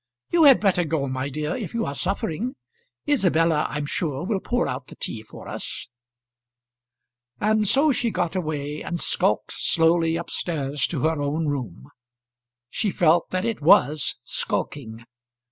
You had better go, my dear, if you are suffering. Isabella, I'm sure, will pour out the tea for us." And so she got away, and skulked slowly up stairs to her own room. She felt that it was skulking.